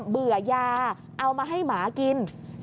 เบื่อยาเอามาให้หมากิน